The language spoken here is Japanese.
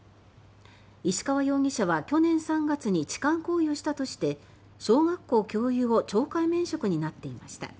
石川容疑者は去年３月に痴漢行為をしたとして小学校教諭を懲戒免職になっていました。